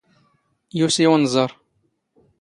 ⵢⵓⵙⵉ ⵓⵏⵥⵕⴰ.